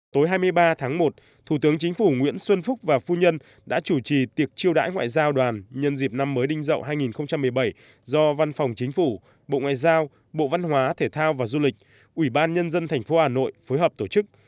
tối hai mươi ba tháng một thủ tướng chính phủ nguyễn xuân phúc và phu nhân đã chủ trì tiệc chiêu đãi ngoại giao đoàn nhân dịp năm mới đinh dậu hai nghìn một mươi bảy do văn phòng chính phủ bộ ngoại giao bộ văn hóa thể thao và du lịch ủy ban nhân dân tp hà nội phối hợp tổ chức